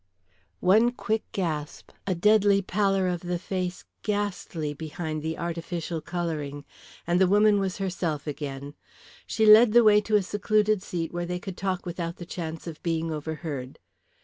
One quick gasp, a deadly pallor of the face ghastly behind the artificial colouring, and the woman was herself again. She led the way to a secluded seat where they could talk without the chance of being overheard.